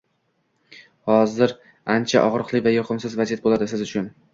- Hozir ancha og'riqli va yoqimsiz vaziyat bo'ladi siz uchun!